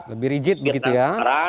lebih rigid begitu ya